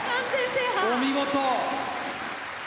お見事！